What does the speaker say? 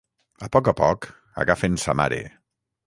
A poc a poc agafen sa mare.